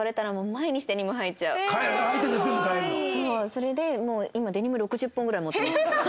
それでもう今デニム６０本ぐらい持ってます。